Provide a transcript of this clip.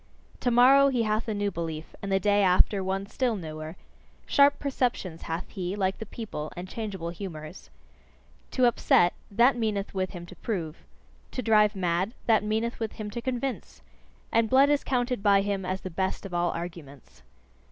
Tomorrow he hath a new belief, and the day after, one still newer. Sharp perceptions hath he, like the people, and changeable humours. To upset that meaneth with him to prove. To drive mad that meaneth with him to convince. And blood is counted by him as the best of all arguments.